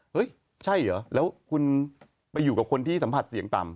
เฮ้ยใช่เหรอแล้วคุณไปอยู่กับคนที่สัมผัสเสียงต่ำ